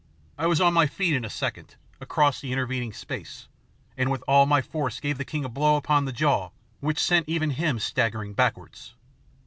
I was on my feet in a second, across the intervening space, and with all my force gave the king a blow upon the jaw which sent even him staggering backwards.